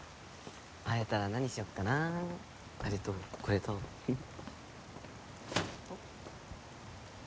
会えたら何しよっかなぁあれとこれとフフっ。